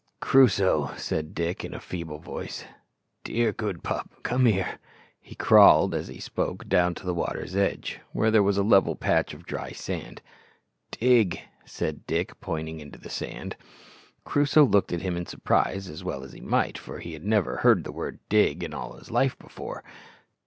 "Crusoe," said Dick, in a feeble voice, "dear good pup, come here." He crawled, as he spoke, down to the water's edge, where there was a level patch of dry sand. "Dig," said Dick, pointing to the sand. Crusoe looked at him in surprise, as well he might, for he had never heard the word "dig" in all his life before.